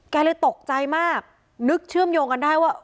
เลยตกใจมากนึกเชื่อมโยงกันได้ว่า